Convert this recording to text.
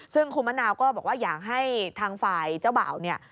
ซึ่งคุณมะนาวก็บอกว่าอยากให้ทางฝ่ายเจ้าบ่าวเนี่ย